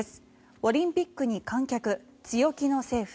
オリンピックに観客強気の政府。